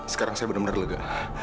sekarang saya benar benar lega